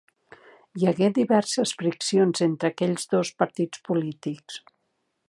Hi hagué diverses friccions entre aquells dos partits polítics.